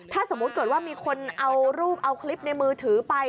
ถ้าสมมุติเกิดว่ามีคนเอารูปเอาคลิปในมือถือไป